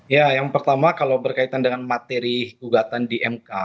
ya yang pertama kalau berkaitan dengan materi gugatan di mk